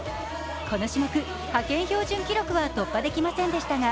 この種目、派遣標準記録は突破できませんでしたが